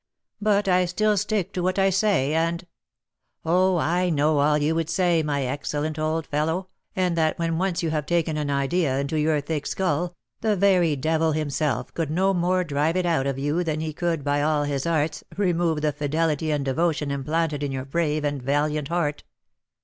But I still stick to what I say, and " "Oh! I know all you would say, my excellent old fellow, and that when once you have taken an idea into your thick skull, the very devil himself could no more drive it out of you than he could, by all his arts, remove the fidelity and devotion implanted in your brave and valiant heart."